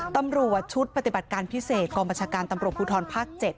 ตำรวจชุดปฏิบัติการพิเศษกองบัญชาการตำรวจภูทรภาค๗